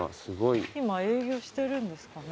今営業してるんですかね？